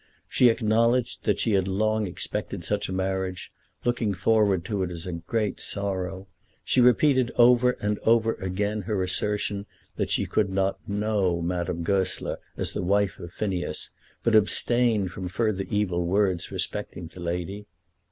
She acknowledged that she had long expected such a marriage, looking forward to it as a great sorrow. She repeated over and over again her assertion that she could not "know" Madame Goesler as the wife of Phineas, but abstained from further evil words respecting the lady.